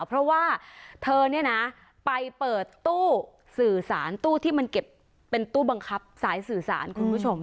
เพราะว่าเธอเนี่ยนะไปเปิดตู้สื่อสารตู้ที่มันเก็บเป็นตู้บังคับสายสื่อสารคุณผู้ชม